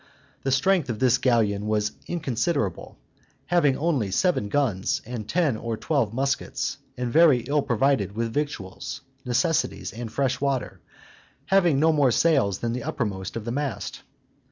The strength of this galleon was inconsiderable, having only seven guns, and ten or twelve muskets, and very ill provided with victuals, necessaries, and fresh water, having no more sails than the uppermost of the mainmast.